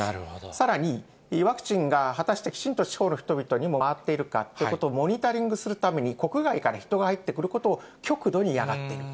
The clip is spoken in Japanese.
さらに、ワクチンが果たしてきちんと地方の人々にも回っているかということをモニタリングするために、国外から人が入ってくることを極度に嫌がっている。